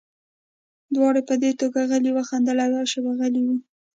دواړو په دې ټوکه غلي وخندل او یوه شېبه غلي وو